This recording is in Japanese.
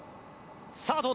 さあどうだ？